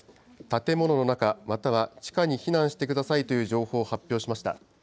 建物の中、または地下に避難してくださいという情報を発表しました。